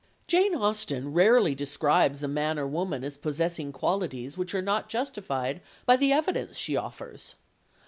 Jane Austen rarely describes a man or woman as possessing qualities which are not justified by the evidence she offers.